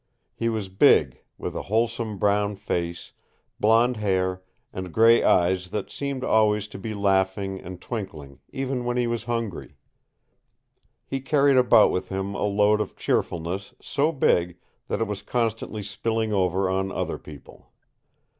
He was big, with a wholesome brown face, blond hair, and gray eyes that seemed always to be laughing and twinkling, even when he was hungry. He carried about with him a load of cheerfulness so big that it was constantly spilling over on other people.